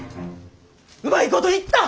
うまいこといった！